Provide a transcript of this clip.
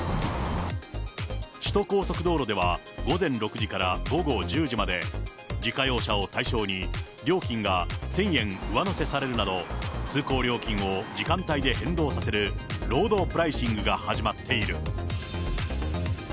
首都高速道路では、午前６時から午後１０時まで、自家用車を対象に、料金が１０００円上乗せされるなど、通行料金を時間帯で変動させる、ロードプライシングが始まっている。